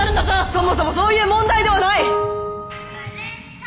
そもそもそういう問題ではない！